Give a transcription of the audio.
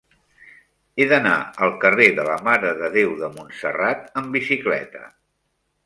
He d'anar al carrer de la Mare de Déu de Montserrat amb bicicleta.